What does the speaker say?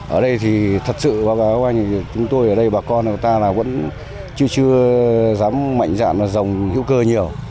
ở đây thì thật sự chúng tôi ở đây bà con người ta là vẫn chưa chưa dám mạnh dạng vào dòng hữu cơ nhiều